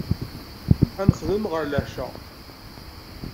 Ad nexdem ɣer leɛca.